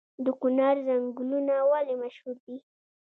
د کونړ ځنګلونه ولې مشهور دي؟